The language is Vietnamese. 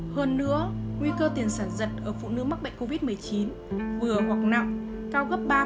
hơn nữa nguy cơ tiền sản dật ở phụ nữ mắc bệnh covid một mươi chín vừa hoặc nặng cao gấp ba ba lần so với những người mang thai không được tiêm chủng